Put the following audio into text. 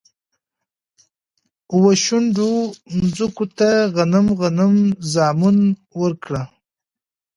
و، شنډو مځکوته غنم، غنم زامن ورکړه